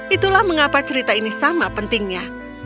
itulah mengapa cerita ini sama pentingnya